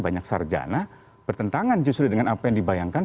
banyak sarjana bertentangan justru dengan apa yang dibayangkan